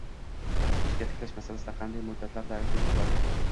Ishga tiklash masalasida qanday muddatlarda ariza berish lozim?